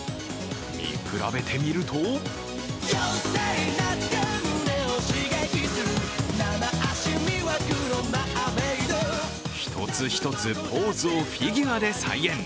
見比べてみると一つ一つ、ポーズをフィギュアで再現。